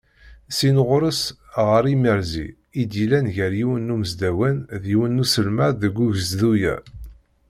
Syin ɣer-s ɣer yimerẓi i d-yellan gar yiwen n usdawan d yiwen n uselmad deg ugezdu-a.